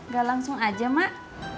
gak langsung aja mak